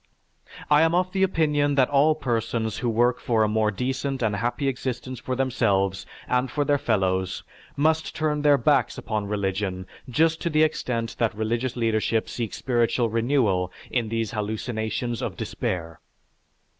I am of the opinion that all persons who would work for a more decent and happy existence for themselves and for their fellows must turn their backs upon religion just to the extent that religious leadership seeks spiritual renewal in these hallucinations of despair."